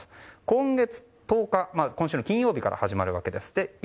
今月１０日今週の金曜日から始まります。